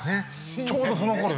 ちょうどそのころよ。